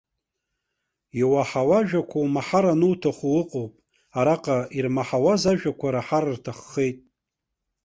Иуаҳауа ажәақәа умаҳар ануҭаху ыҟоуп, араҟа ирмаҳауаз ажәақәа раҳар рҭаххеит.